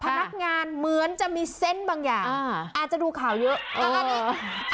พนักงานเหมือนจะมีเซนต์บางอย่างอาจจะดูข่าวเยอะ